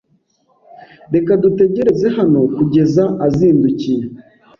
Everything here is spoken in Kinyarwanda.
Reka dutegereze hano kugeza azindukiye.